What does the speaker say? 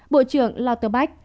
bộ trưởng lauterbach